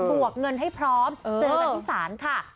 บวกเงินให้พร้อมเจอกันที่ศร